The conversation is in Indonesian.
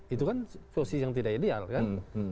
itu kan posisi yang tidak ideal kan